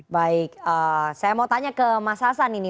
baik saya mau tanya ke mas hasan ini